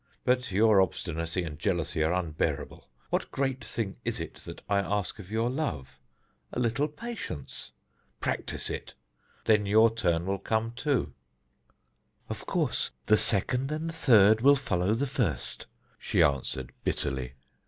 But your obstinacy and jealousy are unbearable. What great thing is it that I ask of your love? A little patience. Practise it. Then your turn will come too." "Of course, the second and third will follow the first," she answered bitterly.